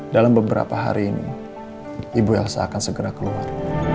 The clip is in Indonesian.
dalam beberapa hari ini ibu elsa akan segera keluar